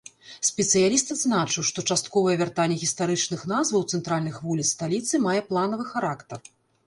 Спецыяліст адзначыў, што частковае вяртанне гістарычных назваў цэнтральных вуліц сталіцы мае планавы характар.